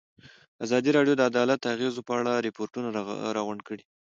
ازادي راډیو د عدالت د اغېزو په اړه ریپوټونه راغونډ کړي.